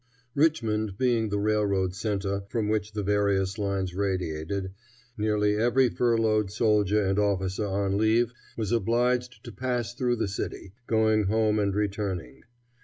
Richmond being the railroad centre from which the various lines radiated, nearly every furloughed soldier and officer on leave was obliged to pass through the city, going home and returning.